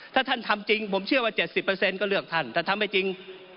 ถ้าท่านทำจริงผมเชื่อว่า๗๐ก็เลือกท่านถ้าทำไม่จริง